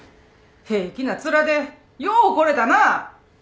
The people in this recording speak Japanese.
平気な面でよう来れたな！